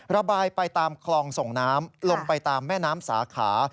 ระบายไปตามคลองส่งน้ำลงไปตามแม่น้ำสาขา